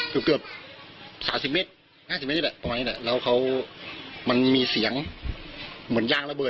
แต่ว่าก่อนที่เราจะเลี้ยวซ้ายปุ๊บเรามองขวาแล้ว